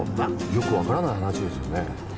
よく分からない話ですよね。